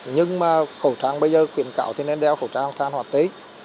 nhưng mà khẩu trang bây giờ khuyến khảo thì nên đeo khẩu trang than hoạt tích